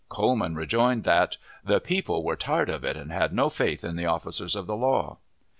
Coleman rejoined that "the people were tired of it, and had no faith in the officers of the law."